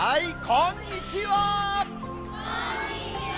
こんにちは。